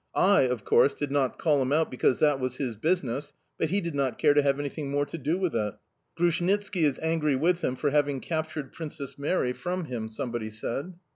I, of course, did not call him out because that was his business, but he did not care to have anything more to do with it." "Grushnitski is angry with him for having captured Princess Mary from him," somebody said.